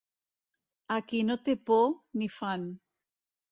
A qui no té por, n'hi fan.